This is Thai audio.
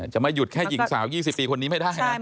จะไม่หยุดแค่หญิงสาว๒๐ปีคนนี้ไม่ได้นะ